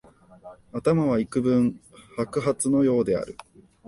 頭はいくぶん白髪のようである